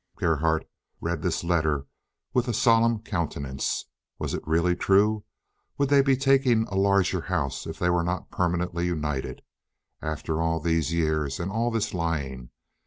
Gerhardt read this letter with a solemn countenance, Was it really true? Would they be taking a larger house if they were not permanently united? After all these years and all this lying?